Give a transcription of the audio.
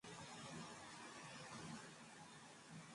Tulimwomba Mungu dua amesikia